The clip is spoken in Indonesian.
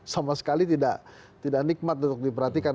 sama sekali tidak nikmat untuk diperhatikan